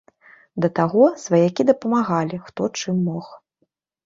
Да таго, сваякі дапамагалі, хто чым мог.